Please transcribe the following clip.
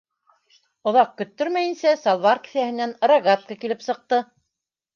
Оҙаҡ көттөрмәйенсә, салбар кеҫәһенән рогатка килеп сыҡты.